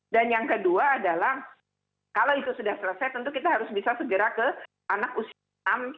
dan yang kedua adalah kalau itu sudah selesai tentu kita harus bisa segera ke anak usia enam